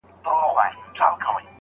د کورنۍ له خوښې پرته هيڅ پرېکړه مه کوئ.